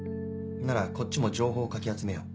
ならこっちも情報をかき集めよう。